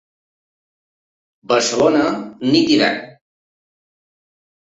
Barcelona nit d’hivern.